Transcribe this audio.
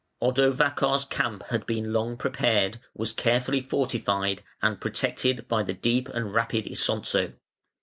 Odovacar's camp had been long prepared, was carefully fortified, and protected by the deep and rapid Isonzo.